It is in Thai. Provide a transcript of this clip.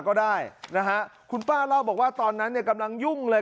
ก็ได้นะฮะคุณป้าเล่าบอกว่าตอนนั้นเนี่ยกำลังยุ่งเลย